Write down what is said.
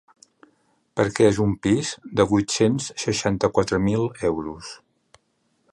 Perquè és un pis de vuit-cents seixanta-quatre mil euros.